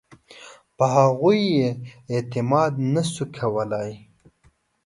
په هغوی یې اعتماد نه شو کولای.